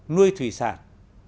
nuôi thủy sản